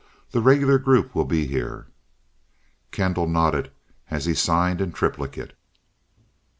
The regular group will be here?" Kendall nodded as he signed in triplicate.